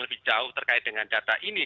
lebih jauh terkait dengan data ini